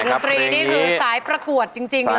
สามารถครับนี้นี่แม่นุ้ตรีที่คือสายปรากวดจริงเลยนะ